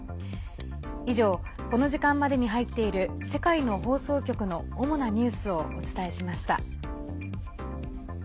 以上、この時間までに入っている世界の放送局の主なニュースをお伝えしました。